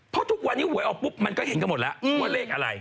เพราะทุกวันนี้หวยออกปุ๊บมันก็เห็นกันหมดแล้วว่าเลขอะไร